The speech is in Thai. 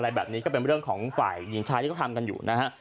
แบบนี้ก็เป็นเรื่องของฝ่ายหญิงชายที่เขาทำกันอยู่นะฮะ